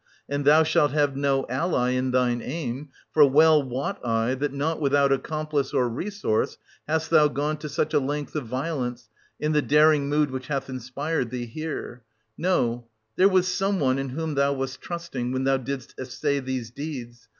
And thou shalt have no ally in thine aim, for well wot I that not without accomplice or resource hast thou gone to such 1030 a length of violence in the daring mood which hath inspired thee here: no, — there was some one m whom thou wast trusting when thou didst essay these deeds.